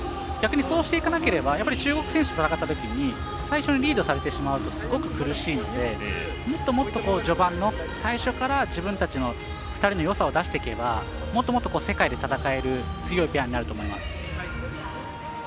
逆に、そうしていかなければ中国選手と戦ったときに最初、リードされてしまうとすごく苦しいのでもっともっと序盤、最初から自分たちの２人のよさを出していけばもっと世界で戦える強いペアになると思います。